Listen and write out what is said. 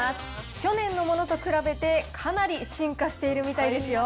去年のものと比べて、かなり進化しているみたいですよ。